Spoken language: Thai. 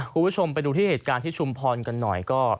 ครูผู้ชมไปดูที่เหตุการณ์จุภล์กันหน่อยก็